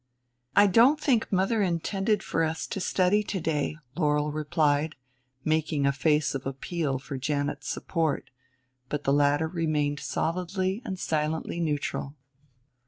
"I don't think mother intended for us to study today," Laurel replied, making a face of appeal for Janet's support. But the latter remained solidly and silently neutral.